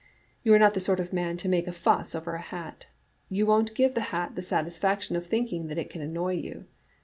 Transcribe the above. You are not the sort of man to make a fuss over a hat. You won't give the hat the satisfac tion of thinking that it can annoy you.